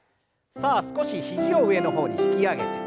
さあ少し肘を上の方に引き上げて。